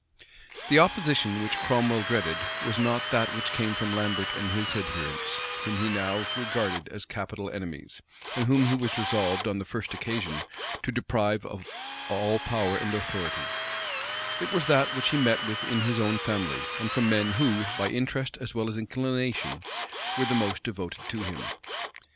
The opposition which Cromwell dreaded, was not that which came from Lambert and his adherents, whom he now regarded as capital enemies, and whom he was resolved, on the first occasion, to deprive of all power and authority; it was that which he met with in his own family, and from men who, by interest as well as inclination, were the most devoted to him.